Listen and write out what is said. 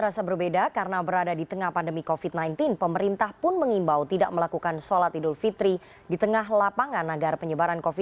masih berbondong bondong kemudian membeli